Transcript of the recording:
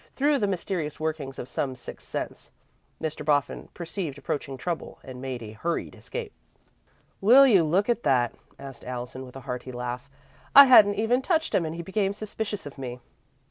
Through the mysterious workings of some sixth sense, Mr. Boffin perceived approaching trouble and made a hurried escape. "Will you look at that?" asked Allison, with a hearty laugh. "I hadn't even touched him and he became suspicious of me."